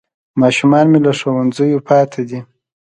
ماشومان مې له ښوونځیو پاتې دي